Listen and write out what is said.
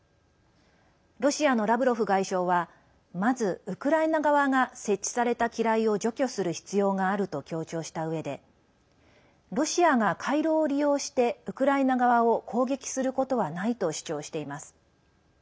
ロシアのラブロフ外相はまずウクライナ側が設置された機雷を除去する必要があると強調したうえでロシアが回廊を利用してウクライナ側を攻撃することはないと主張しています。